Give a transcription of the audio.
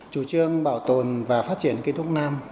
chủ trương bảo tồn và phát triển cây thuốc nam